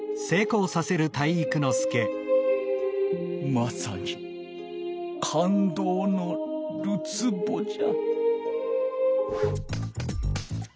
まさにかんどうのるつぼじゃ。